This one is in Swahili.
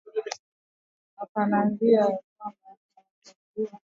Hata hivyo hatua hizi zinapaswa kutekelezwa na wadau wote